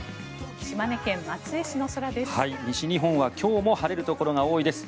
島根県松江市の空です。